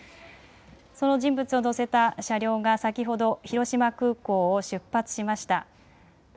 その人物を乗せた車両が先ほど広島空港を出発しました。